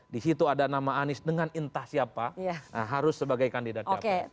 di situ ada nama anies dengan entah siapa harus sebagai kandidat capres